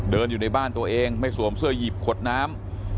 อยู่ในบ้านตัวเองไม่สวมเสื้อหยิบขดน้ำ